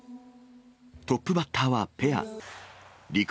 トップバッターはペア。